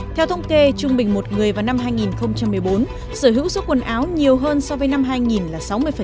theo thông kê trung bình một người vào năm hai nghìn một mươi bốn sở hữu số quần áo nhiều hơn so với năm hai nghìn là sáu mươi